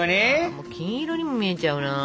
もう金色にも見えちゃうな。